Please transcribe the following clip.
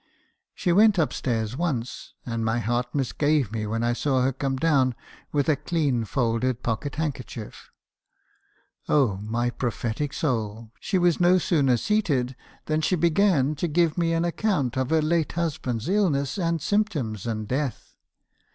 She went up stairs once, and my heart misgave me when I saw her come down with a clean folded pocket hand kerchief. Oh , my prophetic soul !— she was no sooner seated, than she began to give me an account of her late husband's illness , and symptoms , and death.